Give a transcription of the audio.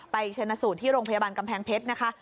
ชนะสูตรที่โรงพยาบาลกำแพงเพชรนะคะ